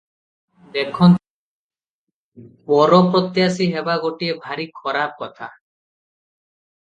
ଦେଖନ୍ତୁ ପରପ୍ରତ୍ୟାଶୀ ହେବା ଗୋଟାଏ ଭାରି ଖରାପ କଥା ।